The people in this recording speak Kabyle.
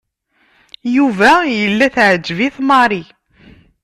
Yuba yella teɛǧeb-it Mary.